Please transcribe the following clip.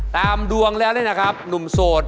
ตามดวงแล้วเนี่ยนะครับหนุ่มโสด